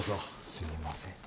すみません。